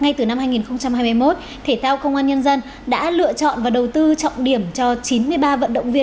ngay từ năm hai nghìn hai mươi một thể thao công an nhân dân đã lựa chọn và đầu tư trọng điểm cho chín mươi ba vận động viên